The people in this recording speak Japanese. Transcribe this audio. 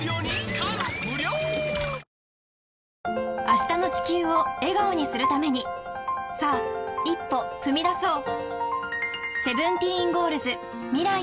明日の地球を笑顔にするためにさあ一歩踏み出そう